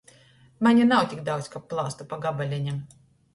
Mane nav tik daudz, kab plāstu pa gabaleņam.